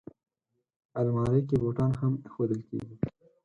الماري کې بوټان هم ایښودل کېږي